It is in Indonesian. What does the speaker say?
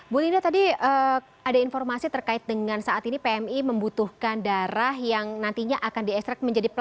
bu linda tadi ada informasi terkait dengan saat ini pmi membutuhkan darah yang nantinya akan di ekstrak menjadi pr